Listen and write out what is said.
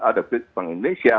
ada bank indonesia